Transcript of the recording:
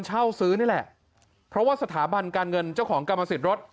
เช่าซื้อนี่แหละเพราะว่าสถาบันการเงินเจ้าของกรรมสิทธิ์รถ